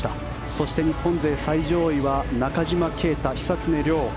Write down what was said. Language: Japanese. そして日本勢最上位は中島啓太、久常涼。